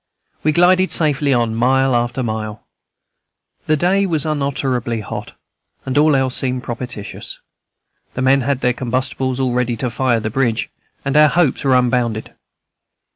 We glided safely on, mile after mile. The day was unutterably hot, but all else seemed propitious. The men had their combustibles all ready to fire the bridge, and our hopes were unbounded.